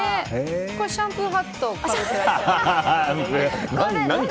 シャンプーハットをかぶってらっしゃる？